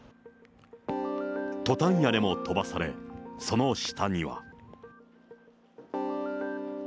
トタン屋根も飛ばされ、その下には。